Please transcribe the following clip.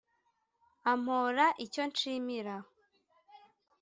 ampora icyo nshimira